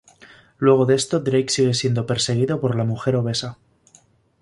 Luego de esto Drake sigue siendo perseguido por la mujer obesa.